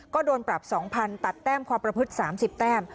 ก็โดนปรับสองพันตัดแต้มความประพฤติสามสิบแต้ม